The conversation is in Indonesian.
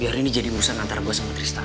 biar ini jadi urusan antara gue sama tristan